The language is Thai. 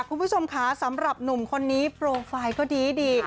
คุณผู้ชมค่ะสำหรับหนุ่มคนนี้โปรไฟล์ก็ดี